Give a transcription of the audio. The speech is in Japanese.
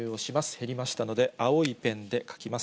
減りましたので、青いペンで書きます。